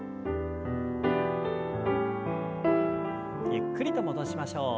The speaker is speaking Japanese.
ゆっくりと戻しましょう。